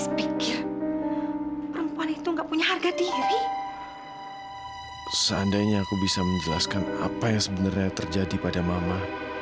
sepikiran aku bisa menjelaskan apa yang sebenarnya terjadi pada mama